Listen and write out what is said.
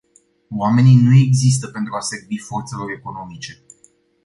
Oamenii nu există pentru a servi forțelor economice.